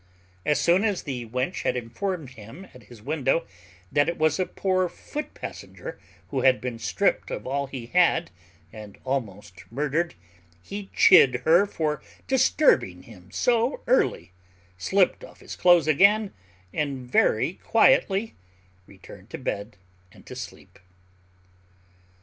As soon as the wench had informed him at his window that it was a poor foot passenger who had been stripped of all he had, and almost murdered, he chid her for disturbing him so early, slipped off his clothes again, and very quietly returned to bed and to sleep.